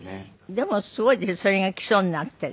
でもすごいそれが基礎になって。